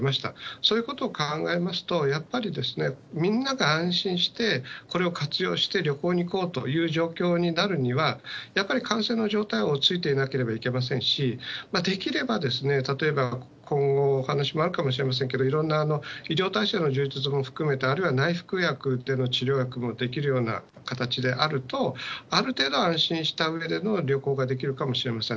そういうことを考えますと、やっぱり、みんなが安心して、これを活用して旅行に行こうという状況になるには、やっぱり感染の状況は落ち着いていなければいけませんし、できれば、例えば今後、お話もあるかもしれませんが、いろんな医療体制の充実も含めた、あるいは内服薬での治療薬もできるような形であると、ある程度、安心したうえでの旅行ができるかもしれません。